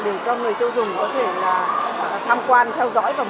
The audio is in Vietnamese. để cho người tiêu dùng có thể là tham quan theo dõi và mua sắm